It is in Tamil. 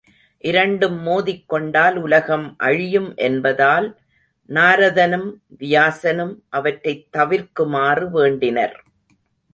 இரண்டும் மோதிக்கொண்டால் உலகம் அழியும் என்பதால் நாரதனும் வியாசனும் அவற்றைத் தவிர்க்குமாறு வேண்டினர்.